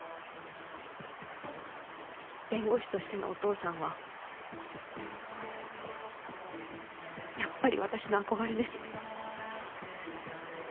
弁護士としてのお父さんはやっぱり私の憧れです